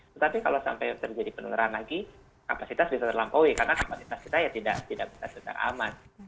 tetapi kalau sampai terjadi penularan lagi kapasitas bisa terlampaui karena kapasitas kita ya tidak bisa sedang aman